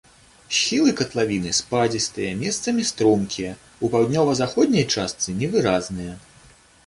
Схілы катлавіны спадзістыя, месцамі стромкія, у паўднёва-заходняй частцы невыразныя.